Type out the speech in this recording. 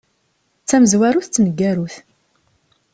D tamezwarut d tneggarut.